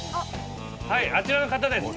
はいあちらの方です！